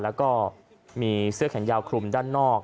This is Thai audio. แล้วก็มีเสื้อแขนยาวคลุมด้านนอก